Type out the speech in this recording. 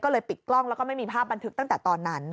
ก็เลยปิดกล้องแล้วก็ไม่มีภาพบันทึกตั้งแต่ตอนนั้น